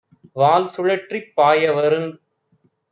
வால்சுழற்றிப் பாயவருங்